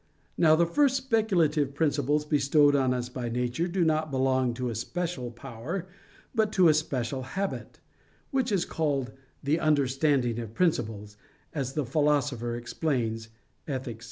Now the first speculative principles bestowed on us by nature do not belong to a special power, but to a special habit, which is called "the understanding of principles," as the Philosopher explains (Ethic.